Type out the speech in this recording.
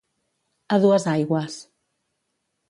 A dues aigües.